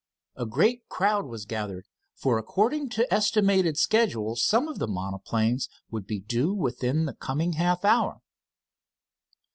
A great crowd was gathered, for according to estimated schedules some of the monoplanes would be due within the coming half hour.